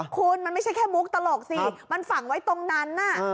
คุณมันไม่ใช่แค่มุกตลกสิมันฝังไว้ตรงนั้น